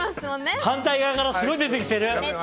反対側からすごい出てきてる。